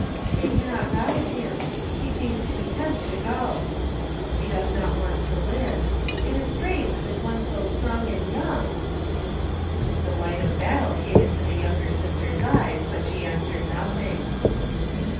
" They cannot rouse him. He seems content to go. He does not want to live. It is strange with one so strong and young " The light of battle came into the younger sister's eyes, but she answered nothing.